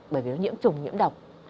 bởi vì nó nhiễm trùng nhiễm độc